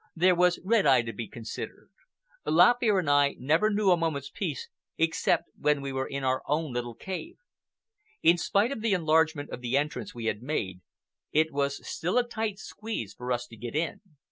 There was Red Eye to be considered. Lop Ear and I never knew a moment's peace except when we were in our own little cave. In spite of the enlargement of the entrance we had made, it was still a tight squeeze for us to get in.